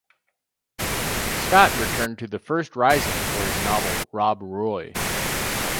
Scott returned to the first rising for his novel "Rob Roy".